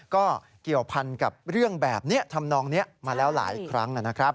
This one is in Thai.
ก็เกี่ยวพันกับเรื่องแบบนี้ทำนองนี้มาแล้วหลายครั้งนะครับ